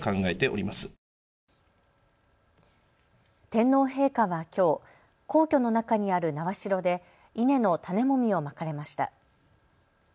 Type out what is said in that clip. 天皇陛下はきょう、皇居の中にある苗代で稲の種もみをまかれました。